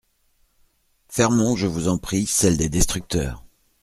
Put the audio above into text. Fermons, je vous en prie, celle des destructeurs.